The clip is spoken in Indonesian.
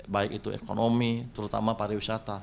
baik itu ekonomi terutama pariwisata